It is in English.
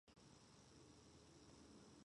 The ears of working dogs are normally cropped.